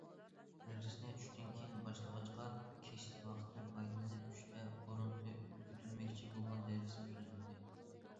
دەرسىنى چۈشتىن كېيىن باشلىغاچقا، كەچلىك ۋاقىتتىن پايدىلىنىپ چۈشتىن بۇرۇنقى ئۆتۈلمەكچى بولغان دەرسنىمۇ سۆزلىدى.